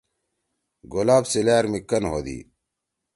گلاب سی لأر می کن ہودی۔